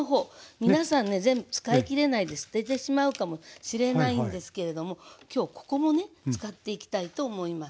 皆さんね全部使い切れないで捨ててしまうかもしれないんですけれども今日ここもね使っていきたいと思います。